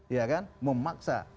ya kan memaksa